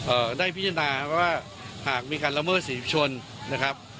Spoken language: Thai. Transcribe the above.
ได้พิจารณาว่าหากมีการละเมิดสิทธิชนนะครับ